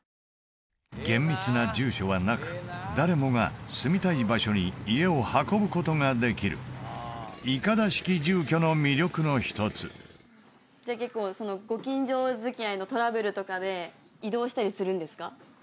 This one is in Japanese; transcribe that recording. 厳密な住所はなく誰もが住みたい場所に家を運ぶことができるいかだ式住居の魅力の一つじゃあ結構ご近所づきあいのトラブルとかで移動したりするんですか？